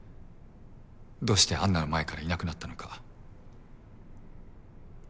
どうして安奈の前からいなくなったのか。